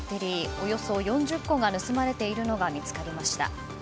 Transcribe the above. およそ４０個が盗まれているのが見つかりました。